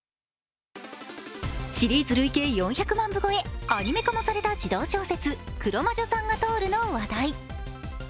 シリーズ累計４００万部超えアニメ化もされた児童小説、「黒魔女さんが通る！！」の話題。